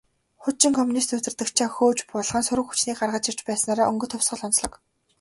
Хуучин коммунист удирдагчдаа хөөж буулган, сөрөг хүчнийг гаргаж ирж байснаараа «Өнгөт хувьсгал» онцлог.